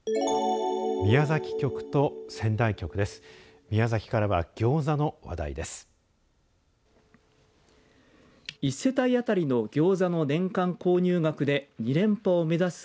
宮崎局と仙台局です。